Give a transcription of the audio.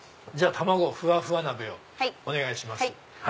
じゃあたまごふわふわ鍋をお願いします。